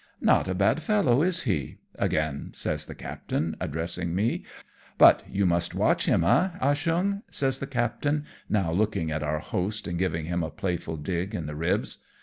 " Not a bad fellow, is he ?" again says the captain, addressing me. "But you must watch him, eh, Ah Cheong ?" says the captain, now looking at our host and giving him a playful dig in the ribs.